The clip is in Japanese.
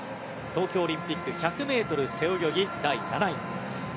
東京オリンピック１００ｍ背泳ぎ第７位。